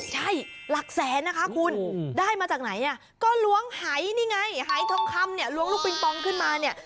ใช่หลักแสนนะคะคุณได้มาจากไหนอ่ะก็ล้วงหายนี่ไงหายทองคำเนี่ยล้วงลูกปิงปองขึ้นมาเนี่ย